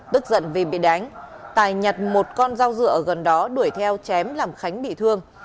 tức giận vì bị đánh tài nhặt một con dao dựa gần đó đuổi theo chém làm khánh bị thương